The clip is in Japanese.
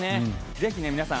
ぜひ、皆さん